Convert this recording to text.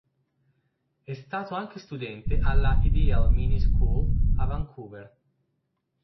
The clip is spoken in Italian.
È stato anche studente alla Ideal Mini School a Vancouver.